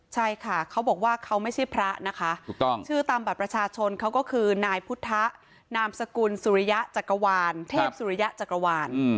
ใช่ค่ะเขาบอกว่าเขาไม่ใช่พระนะคะชื่อตามบัตรประชาชนเขาก็คือนายพุทธนามสกุลสุริยะจักรวาลเทพสุริยะจักรวาล